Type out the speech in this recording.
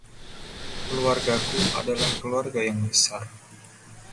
Keluargaku adalah keluarga yang besar.